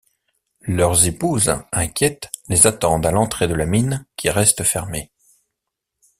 Leurs épouses, inquiètes, les attendent à l'entrée de la mine, qui reste fermée.